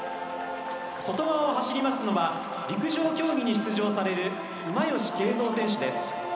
外側を走りますのは陸上競技に出場される今吉圭三選手です。